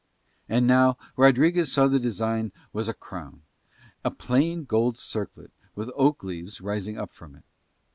And now Rodriguez saw the design was a crown, a plain gold circlet with oak leaves rising up from it.